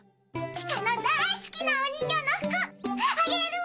チカの大好きなお人形の服あげる！